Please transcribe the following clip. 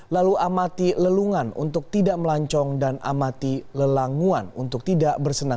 lalu amati lelungan untuk tidak melancong dan amati lelanguan untuk tidak bersenang